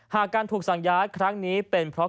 หากการถูกสั่งย้ายครั้งนี้เป็นเพราะ